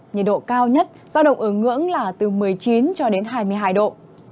nhiệt độ cao nhất do động ứng ngưỡng là từ một mươi chín hai mươi hai độ